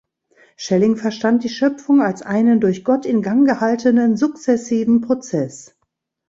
Schelling verstand die Schöpfung als einen durch Gott in Gang gehaltenen sukzessiven Prozess.